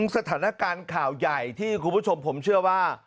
สถานการณ์ข่าวใหญ่ที่คุณผู้ชมผมเชื่อว่า